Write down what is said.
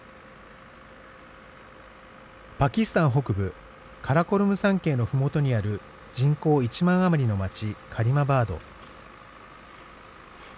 パキスタン北部カラコルム山系のふもとにある人口１万余りの町カリマバード。